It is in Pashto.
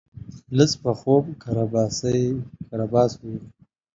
لڅ په خوب کرباس ويني.